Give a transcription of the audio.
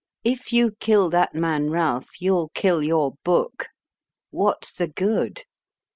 If you kill that man Ralph, you ll kill your book. What s the good